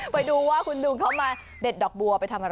ไปดูว่าคุณลุงเขามาเด็ดดอกบัวไปทำอะไร